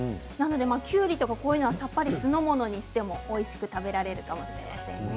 きゅうりはさっぱり酢の物にしてもおいしく食べられると思います。